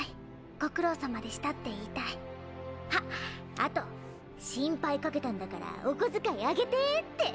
あと「心配かけたんだからお小遣い上げて」って！